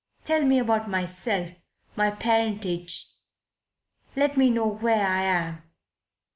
Tell me about myself my parentage let me know where I am."